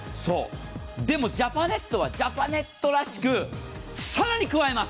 でも、ジャパネットはジャパネットらしく更に加えます。